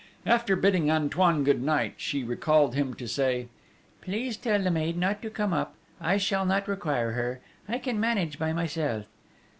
After bidding Antoine good night, she recalled him to say: "Please tell the maid not to come up. I shall not require her. I can manage by myself."